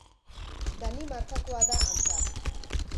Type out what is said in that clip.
Danimarkakoa da, antza.